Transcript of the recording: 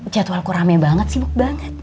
jadwalku rame banget sibuk banget